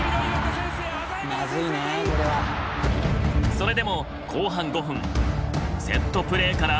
それでも後半５分セットプレーから。